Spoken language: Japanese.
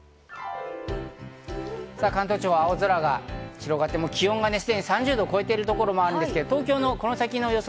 関東地方、青空が広がって、気温はすでに３０度を超えているところもあるんですけど、東京のこの先の予想